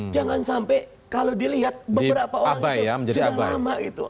jangan sampai kalau dilihat beberapa orang itu sudah lama gitu